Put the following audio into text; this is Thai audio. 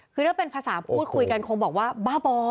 คือถ้าเป็นภาษาพูดคุยกันคงบอกว่าบ้าบอ